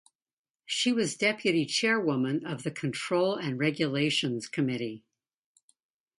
She was deputy chairwoman of the Control and Regulations Committee.